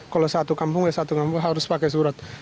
kalau satu kampung harus pakai surat